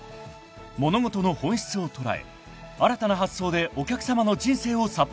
［物事の本質を捉え新たな発想でお客さまの人生をサポートする］